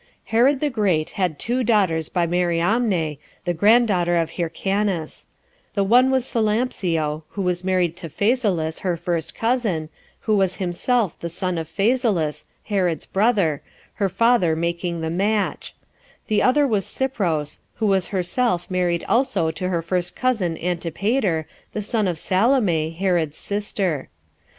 4. Herod the Great had two daughters by Mariamne, the [grand] daughter of Hyrcanus; the one was Salampsio, who was married to Phasaelus, her first cousin, who was himself the son of Phasaelus, Herod's brother, her father making the match; the other was Cypros, who was herself married also to her first cousin Antipater, the son of Salome, Herod's sister.